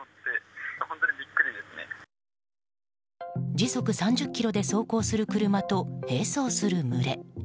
時速３０キロで走行する車と並走する群れ。